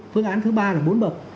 phương án thứ ba là bốn bậc